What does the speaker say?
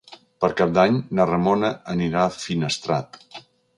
Per Cap d'Any na Ramona anirà a Finestrat.